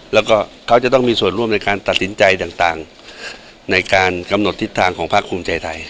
แล้วก็เขาจะต้องมีส่วนร่วมในการตัดสินใจต่างในการกำหนดทิศทางของภาคภูมิใจไทย